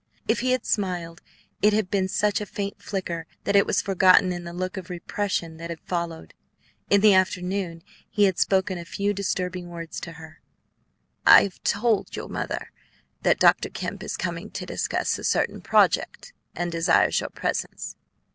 If he had smiled, it had been such a faint flicker that it was forgotten in the look of repression that had followed. In the afternoon he had spoken a few disturbing words to her: "I have told your mother that Dr. Kemp is coming to discuss a certain project and desires your presence.